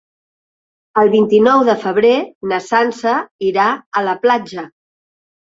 El vint-i-nou de febrer na Sança irà a la platja.